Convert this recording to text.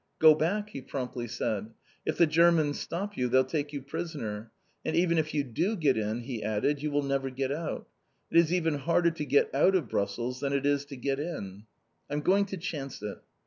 "Go back," he promptly said. "If the Germans stop you, they'll take you prisoner. And even if you do get in," he added, "you will never get out! It is even harder to get out of Brussels than it is to get in." "I'm going to chance it!"